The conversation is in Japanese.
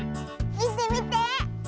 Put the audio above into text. みてみて。